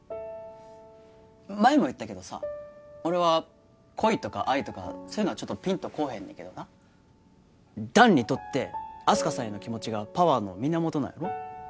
前も言ったけどさ俺は恋とか愛とかそういうのはちょっとピンとこーへんねんけどな弾にとってあす花さんへの気持ちがパワーの源なんやろ？